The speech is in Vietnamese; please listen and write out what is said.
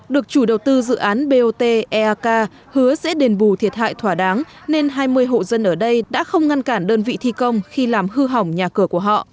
được chủ đầu tư dự án bot eak hứa sẽ đền bù thiệt hại thỏa đáng nên hai mươi hộ dân ở đây đã không ngăn cản đơn vị thi công khi làm hư hỏng nhà cửa của họ